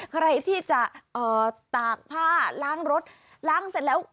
ใครที่จะตากผ้าล้างรถล้างเสร็จแล้ว